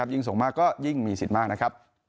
ยิ่งสงมากก็ยิ่งมีสิทธิ์มาก